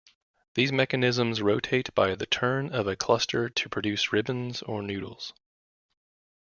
These mechanisms rotate by the turn of a cluster to produce ribbons or noodles.